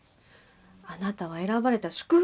あなたは選ばれた祝福